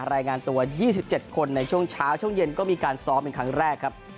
รายงานตัว๒๗คนในช่วงเช้าช่วงเย็นก็มีการซ้อมเป็นครั้งแรกครับ